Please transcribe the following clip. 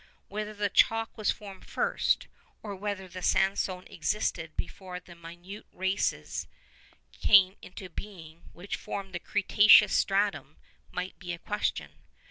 Whether the chalk was formed first, or whether the sandstone existed before the minute races came into being which formed the cretaceous stratum, might be a question.